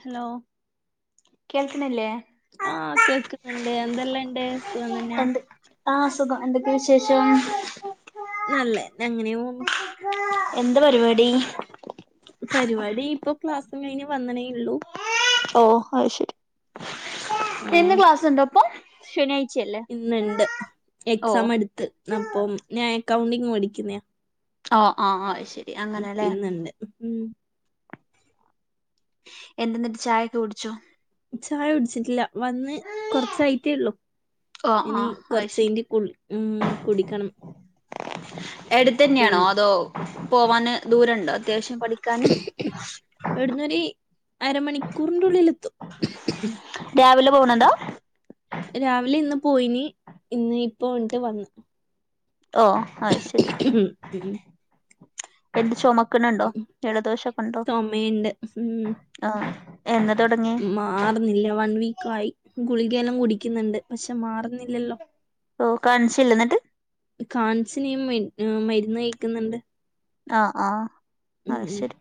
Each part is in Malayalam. ഹലോ കേൾക്കിണില്ലേ ആഹ് കേക്കുന്നുണ്ട് എന്തെല്ലാം ഇണ്ട് സുഖം തന്നെയാ ആഹ് അസുഖം എന്തൊക്കെയാ വിശേഷം നല്ലേ അങ്ങനെയേ പോന്നു എന്താ പരിപാടി പരിപാടി ഇപ്പൊ ക്ലാസ്സും കഴിഞ്ഞ് വന്നണേ ഉള്ളൂ ഓ അത് ശരി ഇന്ന് ക്ലാസുണ്ടോ അപ്പൊ ശനിയാഴ്ചയല്ലേ ഇന്ന് ഇണ്ട് ഓ എക്സാം അടുത്ത് അപ്പം ഞാൻ അക്കൗണ്ടിംഗ് പടിക്കുന്നയാ ആഹ് ആഹ് അത് ശരി ഉം അങ്ങനെല്ലേ ഇന്നൊണ്ട് ഉം എന്താ എന്നിട്ട് ചായയൊക്കെ കുടിച്ചോ ചായ കുടിച്ചിട്ടില്ല വന്ന് കൊറച്ചായിട്ടേയുള്ളു ഓ ആ ഇനി അത് കുറച്ച് ശരി കഴിഞ്ഞിട്ട് കുളി ഉം കുടിക്കണം അടുത്ത് തന്നെയാണോ പിന്നെ അതോ പോവാന് ദൂരവൊണ്ടോ അത്യാവശ്യം പഠിക്കാന് ഇവിടുന്നൊരു അരമണിക്കൂറിന്റെ ഉള്ളിലെത്തും രാവിലെ പോന്നോണ്ട രാവിലെ ഇന്ന് പോയിന് ഇന്ന് ഇപ്പ കൊണ്ട് വന്നു ഓ അത് ശരി ഉം എന്ത് ചുമക്കണണ്ടോ ജലദോഷൊക്കെ ഉണ്ടോ ചുമയുണ്ട് ഉം ആഹ് എന്നാ തുടങ്ങി മാറുന്നില്ല വൺ വീക്ക് ആയി ഗുളികയെല്ലാം കുടിക്കുന്നുണ്ട് പക്ഷെ മാറുന്നില്ലല്ലോ ഓ കാണിച്ചില്ലേ എന്നിട്ട് കാണിച്ചിനി മരുന്ന് കഴിക്കുന്നുണ്ട് ആഹ് ആഹ് ഉം അത് ഉം. ശരി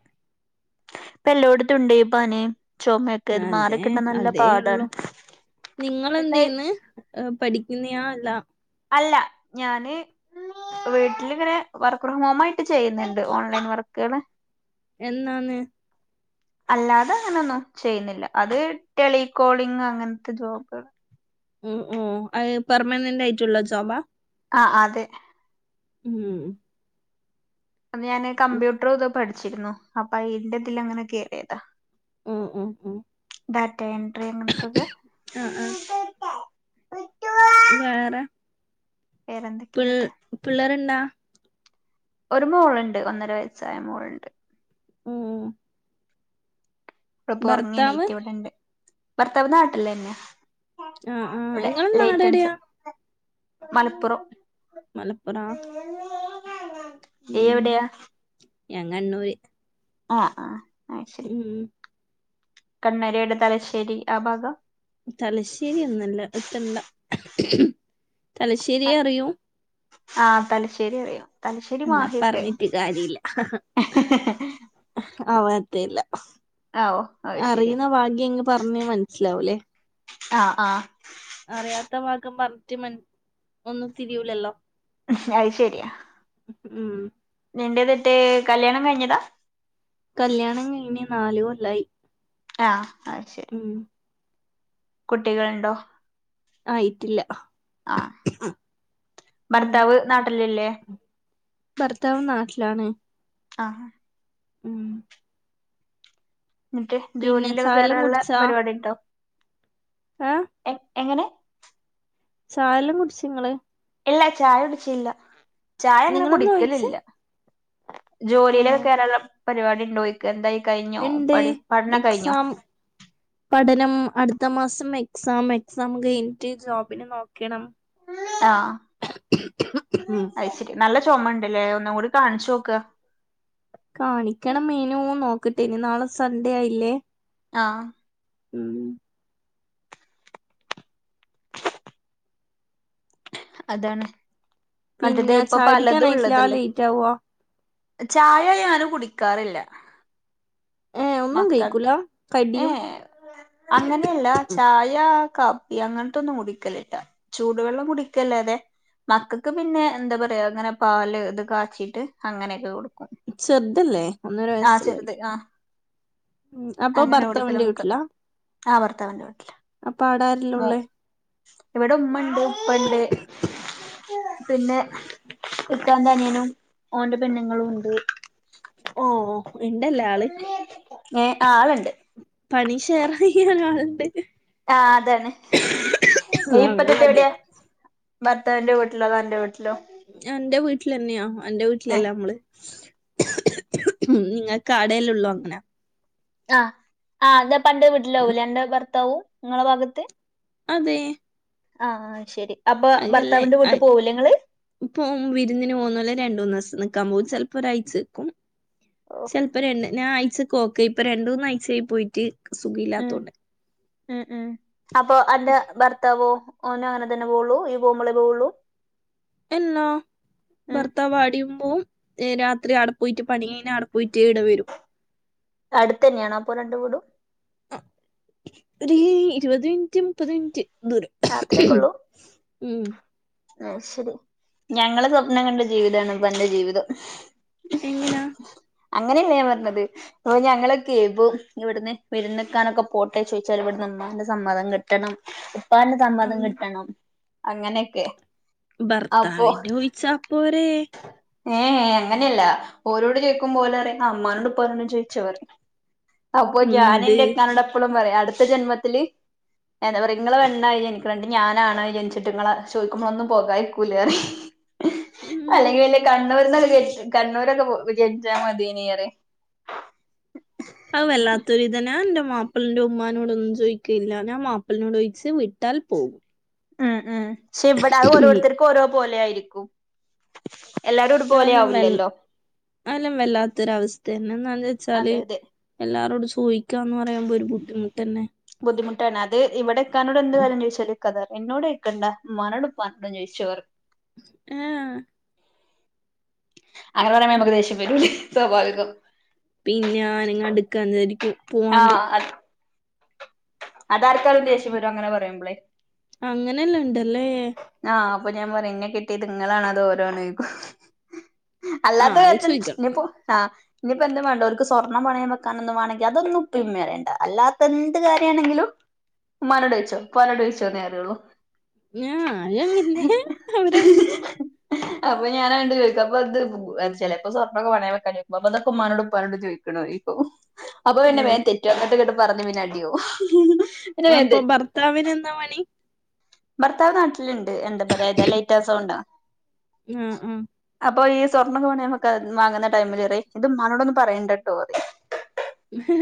ഇപ്പ എല്ലോടത്തും ഉണ്ടേ പനി ചുമയൊക്കെ ഇത് അതെ മാറിക്കിട്ടാൻ നല്ല അതേ പാടാണ് ഉള്ളു നിങ്ങളെന്ത് എന്നിട്ട് ചെയ്യുന്ന് ആഹ് പഠിക്കുന്നയാ അല്ല അല്ല ഞാന് വീട്ടിലിങ്ങനെ വർക്ക് ഫ്രം ഹോമായിട്ട് ചെയ്യുന്നുണ്ട് ഓൺലൈൻ വർക്കുകള് എന്നാന്ന് അല്ലാതെ അങ്ങനെയൊന്നും ചെയ്യുന്നില്ല അത് ടെലികോളിങ് അങ്ങനത്തെ ജോബ് ഉം ഉം അത് പെർമനന്റ് ആയിട്ടുള്ള ജോബാ ആഹ് അതെ ഉം അത് ഞാന് ഉം. കമ്പ്യൂട്ടർ ഇതൊക്കെ പഠിച്ചിരുന്നു അപ്പ അയിന്റെ ഇതിൽ അങ്ങനെ കയറിയതാ ഉം ഉം ഉം ഡാറ്റാ എൻട്രി അങ്ങനത്തെയൊക്കെ ആ ആ വേറെ വേറെ എന്തൊക്കെയാ എന്നിട്ട് പിള്ളാരെന്നാ ഒരു മോൾ ഉണ്ട് ഒന്നര വയസ്സായ മോളുണ്ട് ഉം അവള് ഇപ്പൊ ഉറങ്ങി ഭർത്താവ് എണീറ്റു ഇവിടൊണ്ട് ഭർത്താവ് നാട്ടില് തന്നെയാ ആഹ് ആഹ് ഇവിടെ ഇങ്ങടെ നാടെവിടെയാ ലേറ്റൻസ് മലപ്പുറം മലപ്പുറവാ ഈ എവിടെയാ ഞാൻ കണ്ണൂര് ആഹ് ആഹ് അത് ശെരി ഉം കണ്ണൂര് എവിടെയാ തലശ്ശേരി ആ ഭാഗവാ തലശ്ശേരി ഒന്നല്ല എത്തണ്ട തലശ്ശേരിയേ അറിയും ആഹ് തലശ്ശേരി അറിയും തലശ്ശേരി എന്നാ മാഹിയൊക്കെ പറഞ്ഞിട്ട് കാര്യല്ല ആവാത്തല്ല. ആഹ് ഓ അത് ശരി അറിയുന്ന ഭാഗം എങ്ങ് പറഞ്ഞേ മനസ്സിലാവൂല്ലേ ആഹ് ആഹ് അറിയാത്ത ഭാഗം പറഞ്ഞിട്ട് മ ഒന്നും തിരിയൂലല്ലോ? ഉം അയ് ശരിയാ ഉം നിന്റെ വീട്ട് കല്യാണം കഴിഞ്ഞതാ? കല്യാണം കഴിഞ്ഞ് നാല് കൊല്ലായി ആഹ് ആ ശരി ഉം കുട്ടികളുണ്ടോ? ആയിട്ടില്ല. ആഹ് ഉം ഭർത്താവ് നാട്ടിലില്ലേ ഭർത്താവ് നാട്ടിലാണ് ആഹ് ഉം ന്നിട്ട് പിന്നെ ജോലിയിലൊക്കെ ചായല്ലാം കേറാനുള്ള കുടിച്ചാ പരിപാടി ഉണ്ടോ ഏ എ എങ്ങനെ ചായല്ലം കുടിച്ചു ങ്ങള് ഇല്ല ചായ കുടിച്ചില്ല. ചായ അങ്ങനെ നിങ്ങളെന്ന് ചോദിച്ച് കുടിക്കലില്ല. ആ ജോലിയിലൊക്കെ കേറാനുള്ള പരിപാടി ണ്ടോ എന്തായി കഴിഞ്ഞോ ഉണ്ട് പഠി പഠന കഴിഞ്ഞോ എക്സാം പഠനം അടുത്ത മാസം എക്സാമാ എക്സാം കയിഞ്ഞിട്ട് ജോബിന് നോക്കണം. ആഹ ഉം അയ്ശേരി നല്ല ചുമ ഉണ്ടല്ലേ. ഒന്നും കൂടി കാണിച്ചു നോക്ക കാണിക്കണം മേനോ നോക്കട്ടേ നി നാളെ സൺഡേ ആയില്ലേ ആഹ് ഉം അതാണ്. മറ്റത് പിന്നെ ഇപ്പൊ പലതും ചായുടിക്കാനായിട്ടില്ല ഉള്ളതല്ലേ ലേറ്റ് ആവോ ചായ ഞാനും കുടിക്കാറില്ല. ഏ ഒന്നും മക്കൾ കഴിക്കൂല കടിയും ഏഹ്.. അങ്ങനെയല്ല. ചായ കാപ്പി അങ്ങനത്തൊന്നും കുടിക്കലില്ല. ചൂടുവെള്ളം കുടി ക്കല്ലാതെ മക്കൾക്ക് പിന്നെ എന്താ പറയാ അങ്ങനെ പാല് ഇത് കാച്ചിട്ട് അങ്ങനെയൊക്കെ കൊടുക്കും. ചെർതല്ലേ ഒന്നര ആഹ് വയസ്സുള്ള ചെറുത് ആഹ് ഉ അപ്പൊ അങ്ങനെ കൊടുക്കല ഭർത്താവിന്റെ നമുക്ക് വീട്ടിലാ ആഹ് ഭർത്താവിന്റെ വീട്ടില് അപ്പൊ അടാരല്ല മോ ഉള്ളേ ഇവിടെ ഉമ്മ ണ്ട് ഉപ്പ ണ്ട് പിന്നെ ഇക്കാന്റെ അനിയനും ഓന്റെ പെണ്ണുങ്ങളും ഉണ്ട്. ഓഹ് ഏ ആളുണ്ട് പണി ഷെയറയാൻ ആള് ണ്ട് ആ അതാണ് ഇപ്പത്തെ അവണ്ട് ഭാഗ്യം എവിടെയാ? ഭർത്താവിന്റെ വീട്ടിലോ അതോ അന്റെ വീട്ടിലോ എന്റെ വീട്ടിൽ ന്നെയോ എന്റെ ആഹ് വീട്ടിലല്ല നമ്മള് ഉ ങ്ങൾക്ക് അടല്ലേ ഉള്ളൂ അങ്ങനെ അ ഇജ്ജ് അപ്പന്റെ വീട്ടിൽ ആവുലെ അന്റെ ഭർത്താവും നിങ്ങളെ ഭാഗത്ത് അതെ ആഹ് ശരി അപ്പൊ അയിനില്ലേ ഭർത്താവിന്റെ വീട്ട് അഹ് പോവൂലേ ഇങ്ങള് ഇപ്പൊ വിരുന്നിന് പോകുന്നല്ലെ രണ്ടൂന്ന് ദിവസം നിൽക്കാൻ പോ ചിലപ്പോ ഒരാഴ്ചെക്കും ചിലപ്പോ രണ്ട് ഞാൻ ആയിചക്ക് പോക്ക് ഇപ്പൊ രണ്ട് മൂന്നഴ്ച ആയി പോയിട്ട് സുഖ ഉം ഇല്ലാത്തോണ്ട് ഉം ഉം അപ്പൊ അന്റെ ഭർത്താവോ ഓന് അങ്ങനെ തന്നെ പോവളൂ ഈ പോുമ്പോളേ പോവുള്ളൂ എല്ലാ ഉം ഭർത്താവ് അവിടെയും പോകും. രാത്രി അവിടെ പോയിട്ട് പണികഴിഞ്ഞ് അവിടെ പോയിട്ട് ഇവിടെ വരും അടുത്ത് തന്നെയാണോ അപ്പൊ രണ്ടു വീടും ഒരു ഇരുപത് മിനിറ്റ് മുപ്പത് മിനിറ്റ് ദൂരം അത്രേക്കെള്ളൂ ഉം ആഹ് ശരി ഞങ്ങള് സ്വപ്നം കണ്ട ജീവിതാണ് ഇപ്പ എന്റെ ജീവിതം എങ്ങനാ അങ്ങനെയല്ല ഞാൻ പറഞ്ഞത് ഇപ്പൊ ഞങ്ങളൊക്കെ ഇപ്പ ഇവിടുന്ന് വിരുന്ന്‌ നിൽക്കാനൊക്കെ പോട്ടെ ചോദിച്ചാല് ഇവിടുന്ന് ഉമ്മാന്റെ സമ്മതം കിട്ടണം ഉപ്പാന്റെ സമ്മതം കിട്ടണം അങ്ങനെയൊക്കെ അപ്പൊ ഭർത്താവിന്റെ ഒഴിച്ചപ്പോരെ ഏഹ് ഏഹ് അങ്ങനെയല്ല ഓരോട് ചോയിക്കുമ്പോ ഓല് പറയും ആഹ്‌ ഉമ്മാനോടും ഉപ്പാനോട് ചോദിച്ചോ [inaudible] അപ്പൊ ഞാൻ എന്ത് എന്റെ ഇക്കാനോടെപ്പളും പറയും അടുത്ത ജന്മത്തില് എന്താ പറയാ നിങ്ങൾ പെണ്ണായി ജനിച്ചിട്ട് ഞാൻ ആണായി ജനിചിട്ട് ഇങ്ങളെ ചോയി ക്കുമ്പോളൊന്നും പോകാതിരിക്കൂലാന്നെ ഉം അല്ലെങ്കിൽ പിന്നെ കണ്ണൂർന്നൊക്കെ കണ്ണൂരൊക്കെ ജനിച്ച മതിനെറെ അത് വല്ലാത്തൊരി ഇതനാ എൻ്റെ മാപ്പിളിന്റെ ഉമ്മാനോട് ഒന്നും ചോദിക്കില്ല ഞാൻ മാപ്പിളിനോട് ചോദിച്ച് വിട്ടാൽ പോകും ഉം ഉം പക്ഷെ ഇവിടെ അത് ഓരോരുത്തർക്കും ഓരോ പോലെ ആയിരിക്കും എല്ലാരും [unintelligible] ഒരുപോലെ ആവില്ലല്ലോ അതിലും വല്ലാത്തൊരവസ്ഥയാണ് ഒന്ന് അതെ ആലോചിച്ചാലു അതെ എല്ലാരോടും ചോദിക്കാന്ന് പറയുമ്പോ ഒരു ബുദ്ധിമുട്ട് തന്നെ ബുദ്ധിമുട്ടാണ് അത് ഇവിടെ ഇക്കാനോട് എന്ത് കാര്യം ചോദിച്ചാല് ഇക്ക പറയും എന്നോട്ചോയി കണ്ട ഉമ്മാനോട് ഉപ്പാനോട് ചോദിച്ചോ ന്ന് പറയും [unintelligible] അങ്ങനെ പറയുമ്പ ഉം. നമുക്ക് ദേഷ്യം വരൂ സ്വാഭാവികം പിന്നെ അനങ്ങടുക്കാന്നരിക്കും ആഹ് അത് അത് ആർക്കായാലും ദേഷ്യം വരും അങ്ങനെ പറയുമ്പളേ അങ്ങനെഎന്ന് ഉണ്ടല്ലേ ആഹ് അപ്പൊ ഞാൻ പറയുന്ന എന്നെ കെട്ടിട്ട് നിങ്ങള് അങ്ങോട് പോരുവോ ചോയിക്കും ആഹ് അല്ലാതെ അത് [unintelligible] ചോയിക്കണം ഇനിയിപ്പൊ എന്ത് വേണ്ട അവർ സ്വർണ്ണം പണയവെക്കാനൊന്നും വേണെങ്കിൽ അതൊന്നും [unintelligible] അല്ലാത്ത എന്ത് കാര്യമാണെങ്കിലും ഉമ്മാനോട് ചോദിച്ചോ ഉപ്പാനോട് ചോദിച്ചോ [unintelligible] [unintelligible] അപ്പൊ ഞാനാണ്ട് ചോദിക്ക അപ്പ എന്ത് ചിലപ്പോസ്വർണ്ണമൊക്കെ പണയം വെക്കാൻ ചോദിക്കും [unintelligible] ഉമ്മാനോട് ഉപ്പാനോട് ചോദിക്കും [unintelligible] അപ്പൊ പിന്നെ ഉം വേഗം തെറ്റോ അങ്ങട്ട് ഇങ്ങട്ട് പറഞ്ഞ് പിന്നെ അടിയാവും പിന്നെ വേഗം അപ്പൊ തെറ്റും ഭർത്താവിന് എന്താ പണി ഭർത്താവ് നാട്ടിലുണ്ട് എന്താ പറയാ ഏതാ ലൈറ്റാ സൗണ്ടാ ആഹ് ആഹ് അപ്പൊ ഈ സ്വർണ്ണക്കെ പണയം വെക്കാൻ വാങ്ങുന്ന ടൈമിൽ പറയും ഇത് ഉമ്മാനോടൊന്നും പറയേണ്ട കേട്ടോ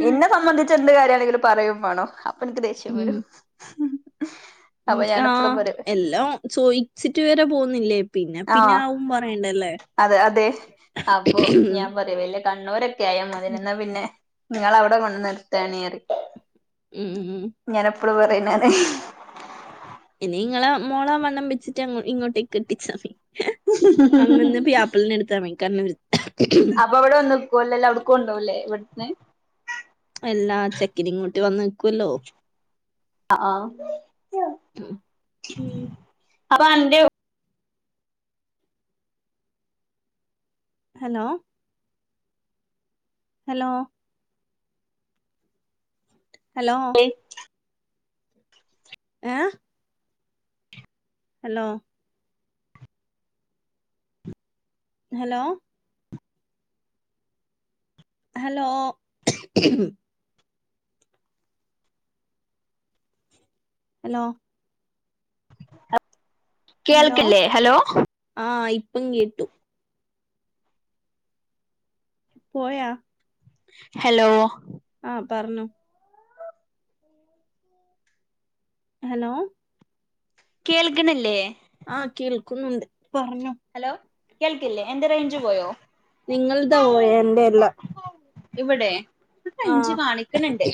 എന്നെ സംബന്ധിച്ച എന്ത് കാര്യമാണെങ്കിലും പറയയും വേണം അപ്പൊ എനിക്ക് ദേഷ്യം ഉം വരും [unintelligible] ഉം ഞാൻ എപ്പളും ആഹ് പറയും എല്ലാം ചോദിച്ചിട്ട് വേരെ പോകുന്നില്ലേ പിന്നെ പിന്നെ ആഹ് ആവും പറയണ്ടല്ലേ അതെ അതെ അപ്പൊ ഞാൻ പറയാ വല്ല കണ്ണൂരൊക്കെ ആയ മതി എന്നാ പിന്നെ നിങ്ങൾ അവിടെ വന്ന് എടുത്തേനേറി ഉം ഉം ഞാൻ എപ്പളും പറയുന്നതാണ് ഇനി ഇങ്ങളെ മോളെ വണ്ണം വെച്ചിട്ട് ഇങ്ങോട്ടേക്ക് കെട്ടിച്ചാമതി [unintelligible] അപ്പൊ അവിടെ വന്ന്ക്കുവല്ല അല്ല അവിടുക്കണ്ടോകല്ലേ ഇവിടുന്ന് എല്ലാ ചെക്കൻ ഇങ്ങോട്ട് വന്ന് നിൽക്കുവല്ലോ ആഹ് ആഹ് ഉം അപ്പൊ അന്റെയും ഹലോ ഹലോ ഹലോ ആ [unintelligible] ഏ ഹലോ ഹലോ ഹലോ ഹലോ കേൾക്കല്ലേ ഹലോ ആഇപ്പം കേട്ടു പോയ ഹലോ ആപറഞ്ഞോ ഹലോ കേൾക് ണില്ലേ ആഹ കേൾക്കുന്നുണ്ട് പറഞ്ഞോ ഹലോ കേൾക്കില്ലേ എന്ത് റേഞ്ച് പോയോ നിങ്ങളതാ പോയ എന്റെ ഇവിടെ ആഹ റേഞ്ച് കാണിക്കണണ്ട് ച്ച്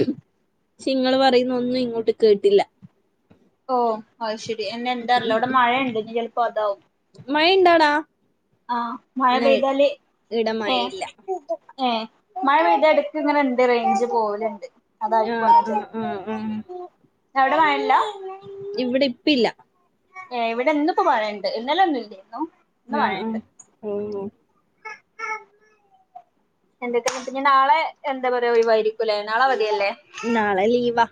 നിങ്ങ ൾപറയുന്ന ഒന്നും ഇങ്ങോട്ട് കേട്ടില്ല ഓ അ് ശരി എന്നെ എന്ത അറല്ല അവിടെ മഴയുണ്ട് ഇ ചിലപ്പോ അതാവും മഴ ഇണ്ടടാ ആ മഴ പെയ്താല് ഇവിടെ ഏ മഴയില്ല ഏ മഴ പെയ്ത അടുക്ക ഇങ്ങനെണ്ട് റേഞ്ച് പോവലുണ്ട്. അതായി ആ ആ ആ ആ അവിടെ മഴല്ല ഇവിടെ ഇപിഇല്ല ഏ ഇവിടെന്നിപ്പോ മയണ്ട് ഇന്നല ഒന്നും ഇല്ലരുന്നു ഉം ഉം ന്തൊക്കെയ പിന്നെ നാളെ എന്താ പറയാ ഒഴിവായിരിക്കുംല്ലേ നാളെ അവതിയ ല്ല നാളെ ലീവാ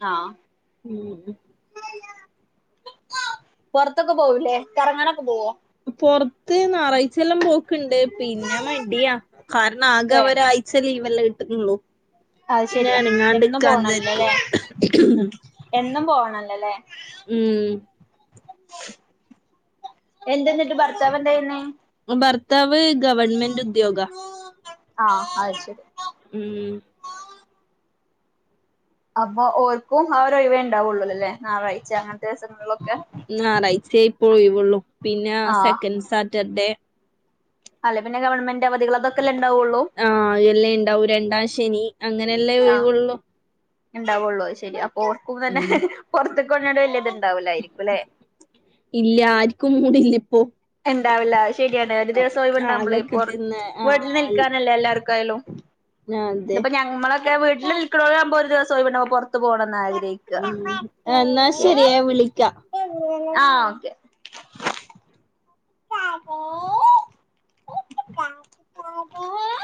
ആ ഉം പുറത്തൊക്കെ പോവൂല്ലേ കറങ്ങാനൊക്കെ പോവോ? പുറത്ത് ഞായറാഴ്ച എല്ലാം പോക്ക്ണ്ട് പിന്നെ മടിയാ കാരണം ആകെ ഏ അവര സെ ലീവല്ല കിട്ടുന്നുള്ളൂ അത് പിന്നെ ശരിയാ എന്നും അനങ്ങാണ്ട്ക്കാ വിചാരിക്കും പോണല്ലോല്ലേ എന്നും പോണല്ലോല്ലേ ഇം എന്തെന്നിട്ട ഭർത്താവ് എന്ത ചെയ്യുന്നേ ഭർത്താവ് ഗവൺമെന്റ് ഉദ്യോഗ ആ അത് ശെരി ഇം അപ്പൊ ഓർക്കും ആരഴിവേ ഉണ്ടാവുള്ളൂ അല്ലേ ഞായറാഴ്ച അങ്ങനത്തെ ദിവസങ്ങളിലൊക്കെ ഞായറാഴ്ചേ പോഴിവോള്ളൂ പിന്നെ ആഹ് സെക്കൻഡ് സാറ്റർഡേ അല്ല പിന്നെ ഗവൺമെറ് അവധികൾക്കൊക്കെല്ല ഉണ്ടാവുള്ളൂ ആഹ് എല്ലാം ഉണ്ടാവും രണ്ടാം ശനി അങ്ങനെയ അല്ലേ ആഹ് ഒഴിവൊള്ളു ഉണ്ടാവുള്ളൂ ശരി അപ്പൊ ഓക്കും തന്നെ ഉം പുറത്തകൊണ വലിയ ഇത് ഉണ്ടാവലായിരിക്കും ല്ലേ ഇല്ല ആർക്കും മുടി ല്ലഇപ്പോ ഇണ്ടവില്ല ശരിയാണ് ഒരു ദിവസം ഒഴിവ്ണ്ടാമ്പ്ളേ ആകെ പൊർ കിട്ടുന്ന വീട്ട്ല് ആഹ് നിൽക്കാന്നല്ലേ എല്ലാർക്കായാലും അതെ ഇത്പ്പൊ ഞമ്മളൊക്കെ വീട്ട്ല് നിൽക്ക്ണോലാമ്പോ ഒരു ദിവസ ഒഴിവ് ണ്ടാമ്പൊ പൊർത്ത് പോണംന്നാഗ്രഹി ഉം എന്നാ ശരി ഞാൻ വിളിക്കാം ആഹ് ഓക്കെ തായേ തഗീ